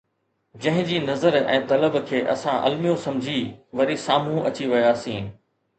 جنهن جي نظر ۽ طلب کي اسان الميو سمجهي، وري سامهون اچي وياسين